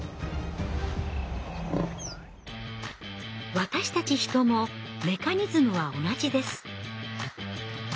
私たちヒトもメカニズムは同じです。